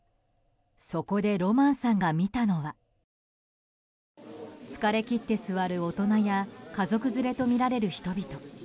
そこでロマンさんが見たのは疲れ切って座る大人や家族連れとみられる人々。